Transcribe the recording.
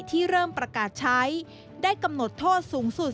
ที่เริ่มประกาศใช้ได้กำหนดโทษสูงสุด